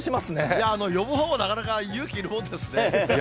いやぁ、呼ぶほうもなかなか勇気いるもんですね。